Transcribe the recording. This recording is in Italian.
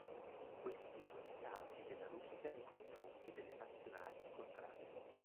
Questi sono i saldi della Russia nei confronti delle Nazionali incontrate.